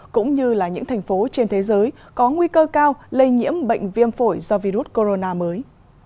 cũng như là những thành phố trên thế giới có nguy cơ cao lây nhiễm bệnh viêm phổi do virus corona mới